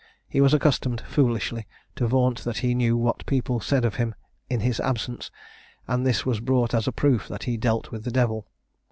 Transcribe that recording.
He was accustomed, foolishly, to vaunt that he knew what people said of him in his absence, and this was brought as a proof that he dealt with the devil.